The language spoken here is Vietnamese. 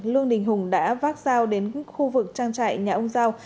lương đình hùng đã vác dao đến khu vực trang trại nhà ông giao